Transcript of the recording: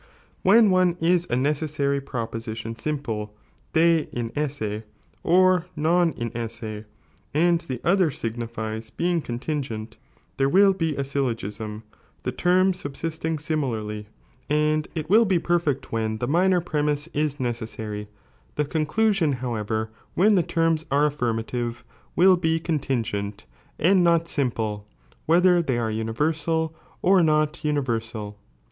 When one is a necessary proposition simple, de inesse, or non inosae, and the other signifies being contingent, there will bo a syllogism, the terms subsisting similarly, and it will be perfect when THE PBIOR ANALVUCS. 119 ibe minor prcinL=o ' is necessary ; the conclusion however, when tile tcrin^ ai e affirmative, will be c«ntrngent, and Dot aiinple, whether they are universal or not universal.